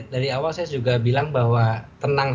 dari awal saya juga bilang bahwa tenang